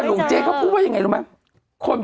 แต่หลวงเจเขาพูดว่ายังไงรู้มั้ย